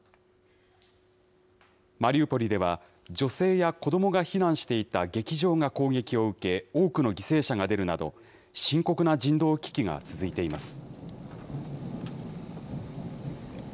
マリウポリでは、女性や子どもが避難していた劇場が攻撃を受け、多くの犠牲者が出るなど、深刻な人道危機が続いています。